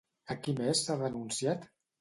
A qui més s'ha denunciat?